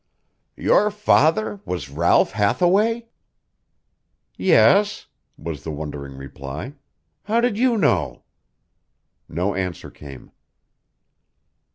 "Your father was Ralph Hathaway?" "Yes," was the wondering reply. "How did you know?" No answer came.